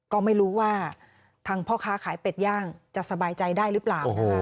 ก็ไม่รู้ว่าทางพ่อค้าขายเป็ดย่างจะสบายใจได้หรือเปล่านะคะ